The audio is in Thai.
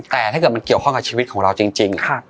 แต่ถ้าเกิดมันเกี่ยวข้องกับชีวิตของเราจริง